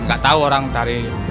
nggak tahu orang dari